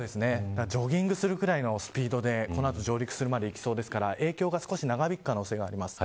ジョギングするぐらいのスピードで上陸するまでいきそうですから影響が少し長引く可能性があります。